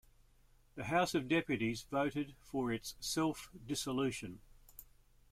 The House of Deputies voted for its self-dissolution.